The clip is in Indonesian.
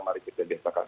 mari kita biasakan